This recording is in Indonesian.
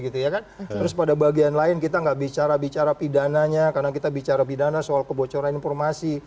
terus pada bagian lain kita nggak bicara bicara pidananya karena kita bicara pidana soal kebocoran informasi